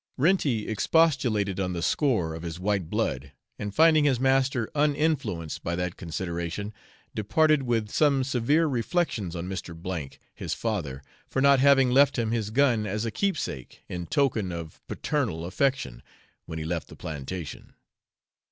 Renty expostulated on the score of his white blood, and finding his master uninfluenced by that consideration, departed with some severe reflections on Mr. K , his father, for not having left him his gun as a keepsake, in token of (paternal) affection, when he left the plantation.